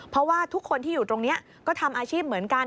เพราะว่าทุกคนที่อยู่ตรงนี้ก็ทำอาชีพเหมือนกัน